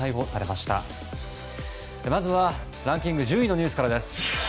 まずは、ランキング１０位のニュースからです。